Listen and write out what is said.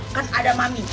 kan ada mami